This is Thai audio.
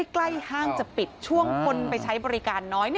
ห้างจะปิดช่วงคนไปใช้บริการน้อย